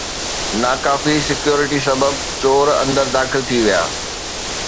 ناکافي security سبب چور اندر داخل ٿي ويا